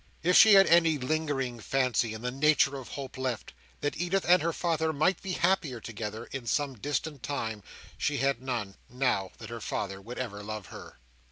If she had any lingering fancy in the nature of hope left, that Edith and her father might be happier together, in some distant time, she had none, now, that her father would ever love her.